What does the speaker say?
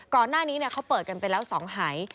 ก่อนหน้านี้เขาเปิดกันไปแล้ว๒หาย